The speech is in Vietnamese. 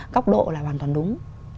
góc độ là hoàn toàn đúng